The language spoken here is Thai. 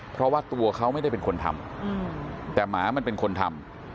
เพราะว่าตัวเขาไม่ได้เป็นคนทำแต่หมามันเป็นคนทำ